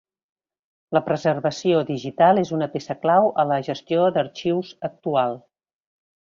La preservació digital és una peça clau a la gestió d’arxius actual.